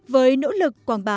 với nỗ lực quảng báo